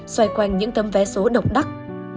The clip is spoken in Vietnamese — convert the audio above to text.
xoay quanh những tấm vé số độc đắc